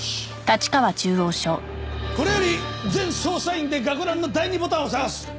これより全捜査員で学ランの第２ボタンを捜す！